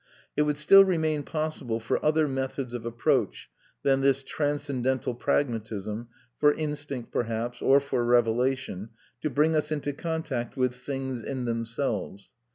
It would still remain possible for other methods of approach than this transcendental pragmatism, for instinct, perhaps, or for revelation, to bring us into contact with things in themselves.